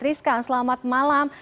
rizka selamat malam